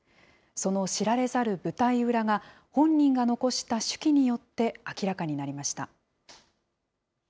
その知られざる舞台裏が、本人が残した手記によって明らかになりました。